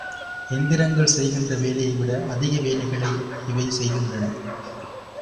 எந்திரங்கள் செய்கின்ற வேலையை விட, அதிக வேலைகளை இவை செய்கின்றன.